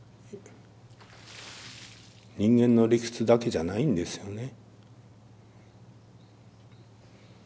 人間の理屈だけじゃないんですよね。